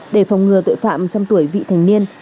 để phòng ngừa tội phạm trong tuổi vị thành niên